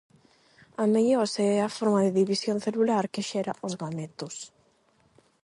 A meiose é a forma de división celular que xera os gametos.